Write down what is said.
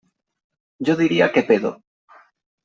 Yo diría que pedo.